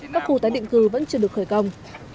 các khu tái định cư vẫn chưa được khởi công